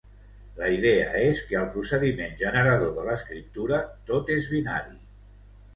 La idea és que al procediment generador de l'escriptura tot és binari.